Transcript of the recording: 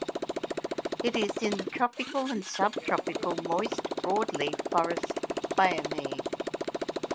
It is in the tropical and subtropical moist broadleaf forests biome.